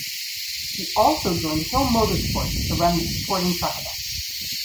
He also joined Hill Motorsports to run the supporting Truck event.